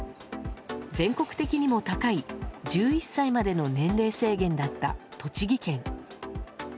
全国的にも高い１１歳までの年齢制限だった栃木県。